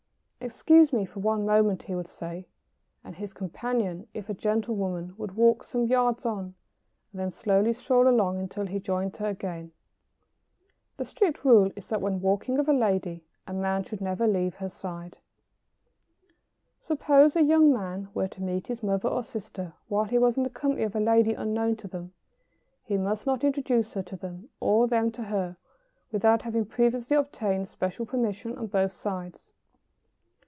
] "Excuse me for one moment," he would say, and his companion, if a gentlewoman, would walk some yards on, and then slowly stroll along until he joined her again. The strict rule is that when walking with a lady a man should never leave her side. [Sidenote: The rule for introductions in such a case.] Suppose a young man were to meet his mother or sister while he was in the company of a lady unknown to them, he must not introduce her to them or them to her without having previously obtained special permission on both sides.